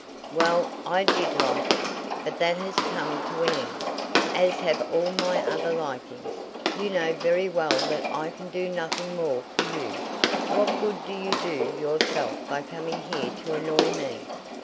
"Well; I did like it; but that has come to an end, as have all my other likings. You know very well that I can do nothing more for you. What good do you do yourself by coming here to annoy me?